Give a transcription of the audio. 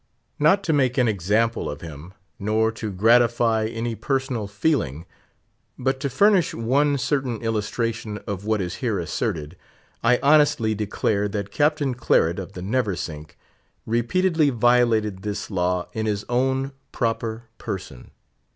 Not to make an example of him, nor to gratify any personal feeling, but to furnish one certain illustration of what is here asserted, I honestly declare that Captain Claret, of the Neversink, repeatedly violated this law in his own proper person.